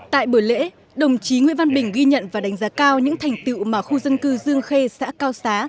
tại buổi lễ đồng chí nguyễn văn bình ghi nhận và đánh giá cao những thành tựu mà khu dân cư dương khê xã cao xá